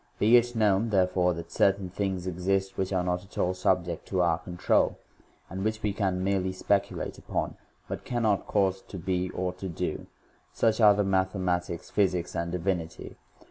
Beit known, therefore, that certai n thing s exist which are not. at all subject.tD our control, and which we can merely speculate upon, b ut cannot cause to be or to do ; suchare maxhsiaiL tics, physics, and divinity j.